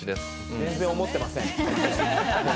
全然思ってません。